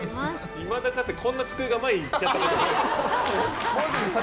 いまだかつて、こんなに机が前に行っちゃったことない。